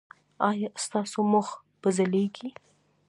ایا ستاسو مخ به ځلیږي؟